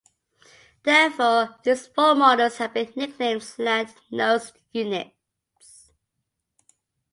Therefore, these four models have been nicknamed "slant nose" units.